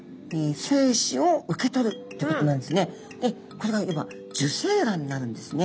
これがいわば受精卵になるんですね。